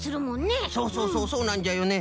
そうそうそうそうなんじゃよね。